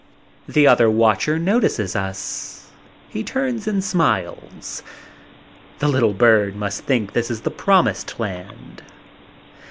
The other watcher notices us. He turns and smiles. "The little bird must think this is the promised land."